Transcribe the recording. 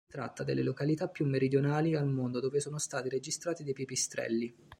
Si tratta delle località più meridionali al mondo dove sono stati registrati dei pipistrelli.